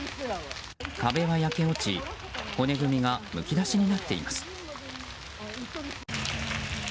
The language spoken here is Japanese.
壁は焼け落ち骨組みがむき出しになっています。